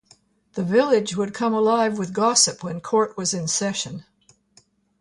The village would come alive with gossip when court was in session.